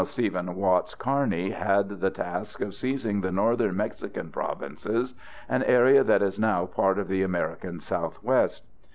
Stephen Watts Kearny had the task of seizing the northern Mexican provinces, an area that is now part of the American Southwest.